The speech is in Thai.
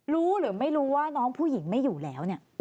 รู้หรือไม่รู้ว่าน้องผู้หญิงไม่อยู่แล้วเนี่ย